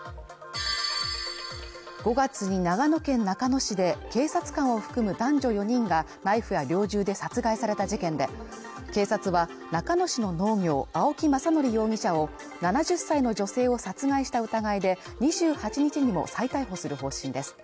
５月に長野県中野市で警察官を含む男女４人がナイフや猟銃で殺害された事件で警察は中野市の農業、青木政憲容疑者を７０歳の女性を殺害した疑いで２８日にも再逮捕する方針です